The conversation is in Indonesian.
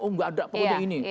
oh enggak ada kalau ada yang ini